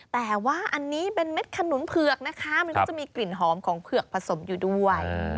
แต่ว่าอันนี้เป็นเม็ดขนุนเผือกนะคะมันก็จะมีกลิ่นหอมของเผือกผสมอยู่ด้วย